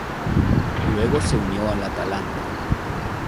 Luego se unió al Atalanta.